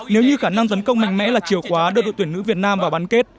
nếu như khả năng tấn công mạnh mẽ là chiều khóa đưa đội tuyển nữ việt nam vào bán kết